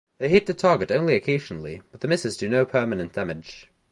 They hit the target only occasionally but the misses do no permanent damage.